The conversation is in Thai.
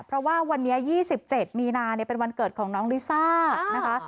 เพราะว่าวันนี้๒๗มีนาเป็นวันเกิดของน้องลิซ่านะคะ